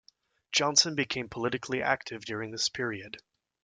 Johnson became politically active during this period.